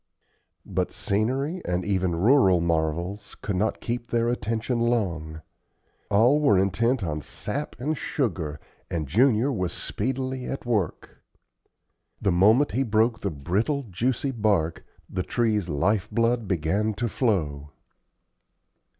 But scenery, and even rural marvels, could not keep their attention long. All were intent on sap and sugar, and Junior was speedily at work. The moment he broke the brittle, juicy bark, the tree's life blood began to flow.